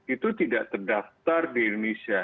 itu tidak terdaftar di indonesia